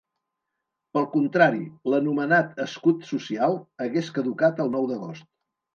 Pel contrari, l’anomenat “escut social” hagués caducat el nou d’agost.